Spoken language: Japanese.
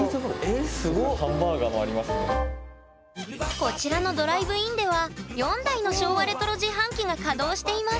こちらのドライブインでは４台の昭和レトロ自販機が稼働しています